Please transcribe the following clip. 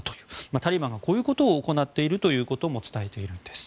タリバンはこういうことを行っているんだと伝えているんです。